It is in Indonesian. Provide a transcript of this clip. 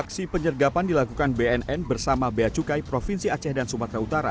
aksi penyergapan dilakukan bnn bersama beacukai provinsi aceh dan sumatera utara